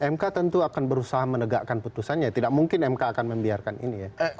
mk tentu akan berusaha menegakkan putusannya tidak mungkin mk akan membiarkan ini ya